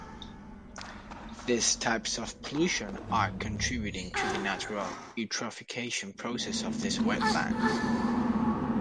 These types of pollution are contributing to the natural eutrophication process of this wetland.